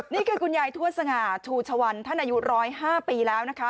นี่คือกุญญายทวดสง่าทูชวรรณท่านอายุ๑๐๕ปีแล้วนะคะ